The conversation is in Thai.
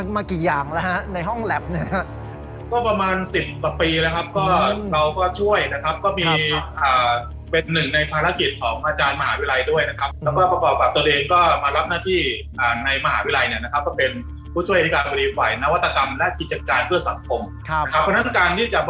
มากี่อย่างแล้วฮะในห้องแล็บนะฮะก็ประมาณสิบกว่าปีแล้วครับก็เราก็ช่วยนะครับก็มีเป็นหนึ่งในภารกิจของอาจารย์มหาวิทยาลัยด้วยนะครับแล้วก็ประกอบกับตัวเองก็มารับหน้าที่ในมหาวิทยาลัยเนี่ยนะครับก็เป็นผู้ช่วยอธิการบดีฝ่ายนวัตกรรมและกิจการเพื่อสังคมครับครับ